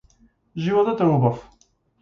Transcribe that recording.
Животот е убав.